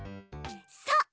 そう！